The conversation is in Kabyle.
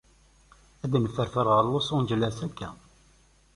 Ad nferfer ɣel Los Angeles acca.